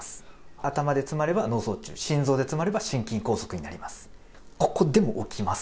頭で詰まれば脳卒中、心臓で詰まれば心筋梗塞になります。